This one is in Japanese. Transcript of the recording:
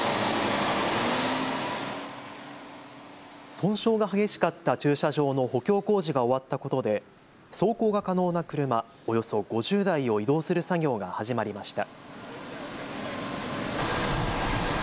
損傷が激しかった駐車場の補強工事が終わったことで走行が可能な車、およそ５０台を移動する作業が始まりました。